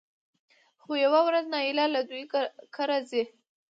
خو يوه ورځ نايله له دوی کره ځي